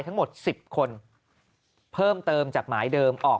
ทั้งหมด๑๐คนเพิ่มเติมจากหมายเดิมออก